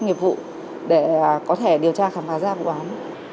nghiệp vụ để có thể điều tra khám phá ra vụ án